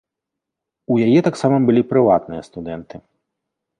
У яе таксама былі прыватныя студэнты.